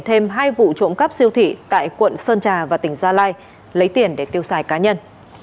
thêm hai vụ trộm cắp siêu thị tại quận sơn trà và tỉnh gia lai lấy tiền để tiêu xài cá nhân